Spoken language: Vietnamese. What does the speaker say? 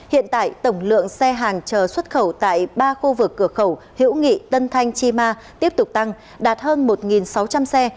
hiện tại tổng lượng xe hàng chờ xuất khẩu tại ba khu vực cửa khẩu hiễu nghị tân thanh chi ma tiếp tục tăng đạt hơn một sáu trăm linh xe